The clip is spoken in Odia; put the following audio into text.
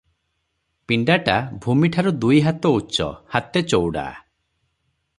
ପିଣ୍ଡାଟା ଭୂମିଠାରୁ ଦୁଇହାତ ଉଚ୍ଚ, ହାତେ ଚଉଡ଼ା ।